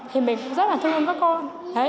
thì mình cũng rất là thương các con